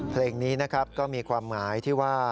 เพลงนี้นะครับก็มีความหมายที่ว่า